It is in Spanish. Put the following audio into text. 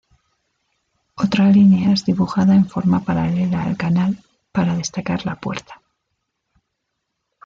Otra línea es dibujada en forma paralela al canal para destacar la puerta.